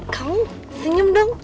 kamu senyum dong